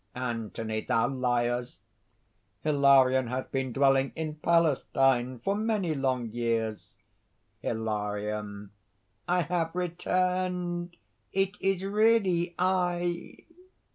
ANTHONY. "Thou liest! Hilarion hath been dwelling in Palestine for many long years." HILARION. "I have returned! It is really I!"